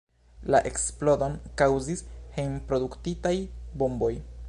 La eksplodon kaŭzis hejm-produktitaj bomboj.